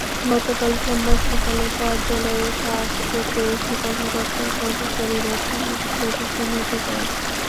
গতকাল সোমবার সকালে কার্যালয়ে কাজ করতে এসে কর্মকর্তা-কর্মচারীরা চুরির বিষয়টি চিহ্নিত করেন।